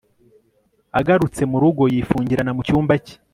Agarutse mu rugo yifungirana mu cyumba cye